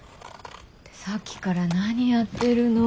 てさっきから何やってるの？